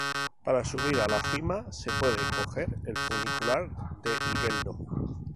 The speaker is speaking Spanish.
Para subir a la cima se puede coger el funicular de Igueldo.